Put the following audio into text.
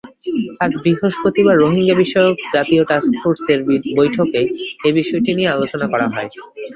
আজ বৃহস্পতিবার রোহিঙ্গাবিষয়ক জাতীয় টাস্কফোর্সের বৈঠকে এ বিষয়টি নিয়ে আলোচনা হয়।